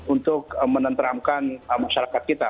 untuk menenteramkan masyarakat kita